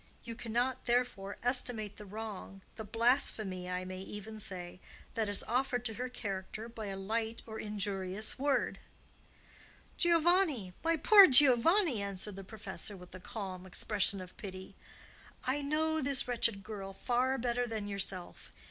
You cannot, therefore, estimate the wrong—the blasphemy, I may even say—that is offered to her character by a light or injurious word." "Giovanni! my poor Giovanni!" answered the professor, with a calm expression of pity, "I know this wretched girl far better than yourself.